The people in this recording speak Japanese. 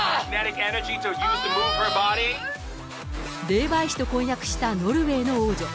霊媒師と婚約したノルウェーの王女。